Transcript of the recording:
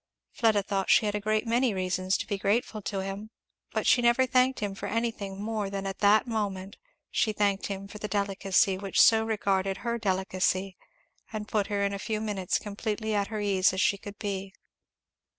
Fleda thought she had a great many reasons to be grateful to him, but she never thanked him for anything more than at that moment she thanked him for the delicacy which so regarded her delicacy and put her in a few minutes completely at her ease as she could be.